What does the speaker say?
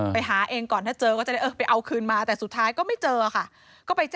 ไปหาเองก่อนถ้าเจอก็จะได้ไปเอาคืนมาแต่สุดท้ายก็ไม่เจอค่ะ